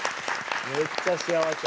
めっちゃ幸せ。